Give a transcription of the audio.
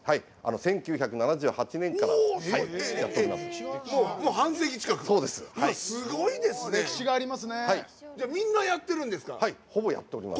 １９７８年からやっております。